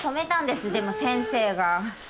でも先生が。